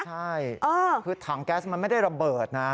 ใช่คือถังแก๊สมันไม่ได้ระเบิดนะ